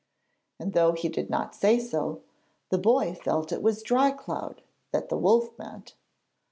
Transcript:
And though he did not say so, the boy felt it was Dry cloud that the wolf meant.